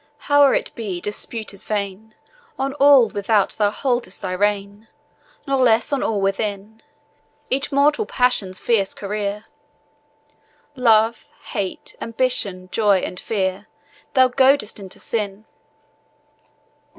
Howe'er it be, dispute is vain. On all without thou hold'st thy reign, Nor less on all within; Each mortal passion's fierce career, Love, hate, ambition, joy, and fear, Thou goadest into sin.